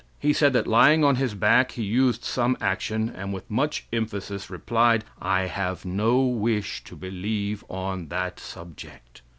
He said that lying on his back he used some action and with much emphasis replied: 'I have no wish to believe on that subject.'